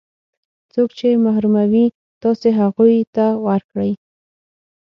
څوک چې محروموي تاسې هغو ته ورکړئ.